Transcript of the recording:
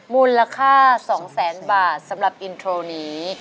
มูลค่า๒แสนบาทสำหรับอินโทรนี้